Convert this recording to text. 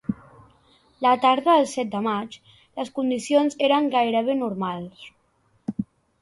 La tarda del set de maig, les condicions eren gairebé normals.